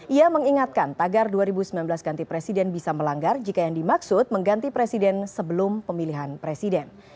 ia mengingatkan tagar dua ribu sembilan belas ganti presiden bisa melanggar jika yang dimaksud mengganti presiden sebelum pemilihan presiden